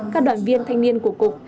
các đoàn viên thanh niên của cục